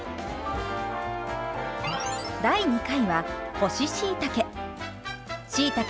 第２回は干ししいたけ。